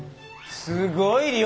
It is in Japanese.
すごい量！